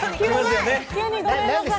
急にごめんなさい。